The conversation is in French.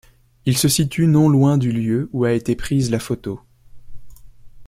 Il se situe non loin du lieu où a été prise la photo.